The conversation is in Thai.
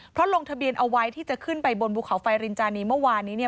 เพราะลงทะเบียนเอาไว้ที่จะขึ้นไปบนภูเขาไฟรินจานีเมื่อวานนี้เนี่ย